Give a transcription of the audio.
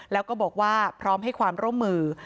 แล้วก็บอกว่าพร้อมให้ความร่วมมือ